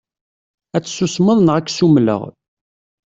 Ad tsusmeḍ neɣ ad k-ssumleɣ.